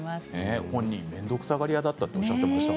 ご本人は面倒くさがり屋だとおっしゃっています。